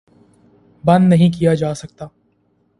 بند نہیں کیا جا سکتا